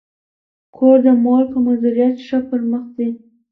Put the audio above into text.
کور د مور په مدیریت ښه پرمخ ځي.